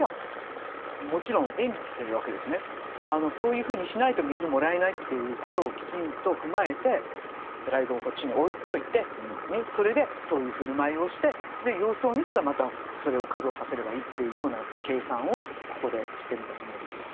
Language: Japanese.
そういうふうにしないと水もらえないっていうことをきちんと踏まえてプライドをこっちに置いといてそれでそういう振る舞いをして様子を見たらまたそれを稼働させればいいっていうようなやっぱり計算をここでしてるんだと思いますよ。